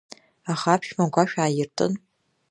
Аха аԥшәма агәашә ааиртын…